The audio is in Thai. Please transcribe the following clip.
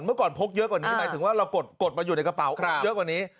เมื่อก่อนพกเยอะกว่านี้หมายถึงว่าเรากดมาอยู่ในกระเป๋าเยอะกว่านี้